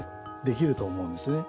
できると思うんですね。